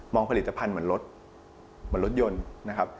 มองผลิตภัณฑ์เหมือนรถอย่างรถยนต์